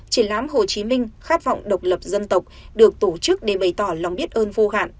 triển lãm hồ chí minh khát vọng độc lập dân tộc được tổ chức để bày tỏ lòng biết ơn vô hạn